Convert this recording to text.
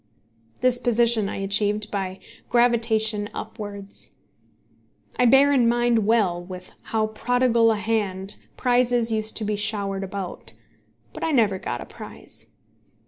This position I achieved by gravitation upwards. I bear in mind well with how prodigal a hand prizes used to be showered about; but I never got a prize.